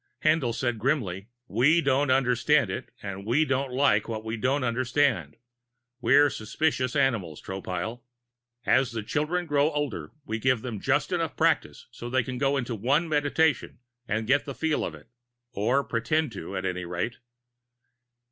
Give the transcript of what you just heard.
Haendl said grimly: "We don't understand it and we don't like what we don't understand. We're suspicious animals, Tropile. As the children grow older, we give them just enough practice so they can go into one meditation and get the feel of it or pretend to, at any rate.